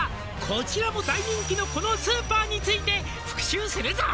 「こちらも大人気のこのスーパーについて復習するぞ」